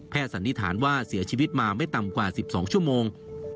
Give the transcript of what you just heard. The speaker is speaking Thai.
สันนิษฐานว่าเสียชีวิตมาไม่ต่ำกว่า๑๒ชั่วโมง